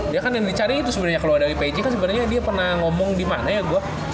dia kan yang dicari itu sebenernya keluar dari pg kan sebenernya dia pernah ngomong di mana ya gue